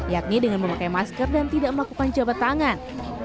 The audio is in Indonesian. yakni dengan memakai masker dan tidak melakukan jabat tangan